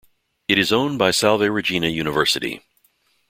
It is owned by Salve Regina University.